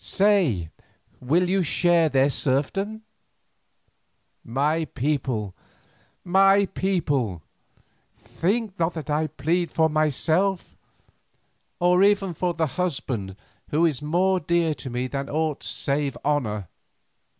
Say, will you share their serfdom? My people, my people, think not that I plead for myself, or even for the husband who is more dear to me than aught save honour.